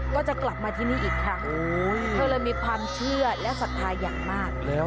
ก็จะกลับมาที่นี่อีกครั้งเธอเลยมีความเชื่อและศรัทธาอย่างมาก